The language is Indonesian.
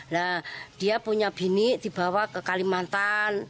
nah dia punya bini dibawa ke kalimantan